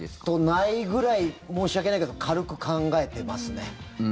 ないぐらい申し訳ないけど軽く考えてます。